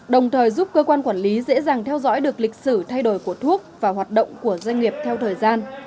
đồng thời giúp cơ quan quản lý dễ dàng theo dõi được lịch sử thay đổi của thuốc và hoạt động của doanh nghiệp theo thời gian